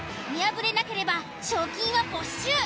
見破れなければ賞金は没収。